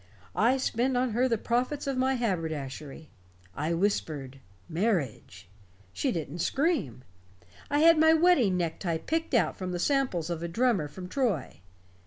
I spent on her the profits of my haberdashery. I whispered marriage. She didn't scream. I had my wedding necktie picked out from the samples of a drummer from Troy."